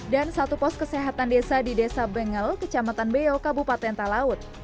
dan satu pos kesehatan desa di desa bengel kecamatan beyo kabupaten talaut